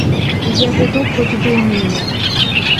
Я піду хоч би і нині!